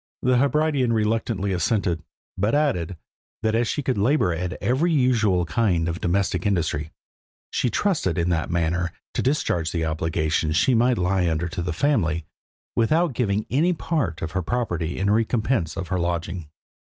The Hebridean reluctantly assented, but added, that as she could labour at every usual kind of domestic industry, she trusted in that manner to discharge the obligation she might lie under to the family, without giving any part of her property in recompense of her lodging.